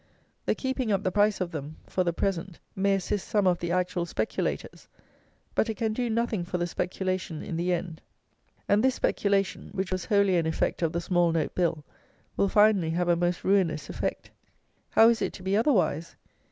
The keeping up the price of them for the present may assist some of the actual speculators, but it can do nothing for the speculation in the end, and this speculation, which was wholly an effect of the Small note Bill, will finally have a most ruinous effect. How is it to be otherwise?